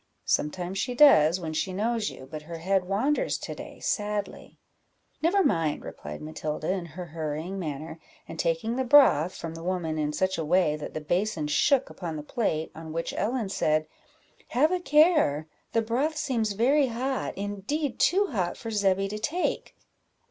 "Sometimes she does, when she knows you; but her head wanders to day sadly." "Never mind," replied Matilda, in her hurrying manner, and taking the broth from the woman in such a way that the basin shook upon the plate; on which Ellen said "Have a care, the broth seems very hot; indeed, too hot for Zebby to take."